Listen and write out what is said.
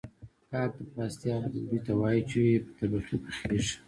کاک د پاستي هغې ډوډۍ ته وايي چې په تبخي پخیږي